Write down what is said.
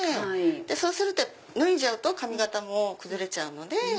そうすると脱いじゃうと髪形も崩れちゃうので。